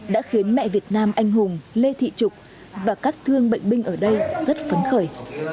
đã khiến mẹ việt nam anh hùng lê thị trục và các thương bệnh binh ở đây rất phấn khởi